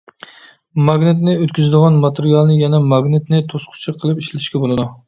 ماگنىتنى ئۆتكۈزىدىغان ماتېرىيالنى يەنە ماگنىتنى توسقۇچى قىلىپ ئىشلىتىشكە بولىدۇ.